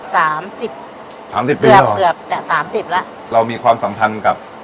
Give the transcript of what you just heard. สามสิบสามสิบเดือนเกือบจะสามสิบแล้วเรามีความสัมพันธ์กับ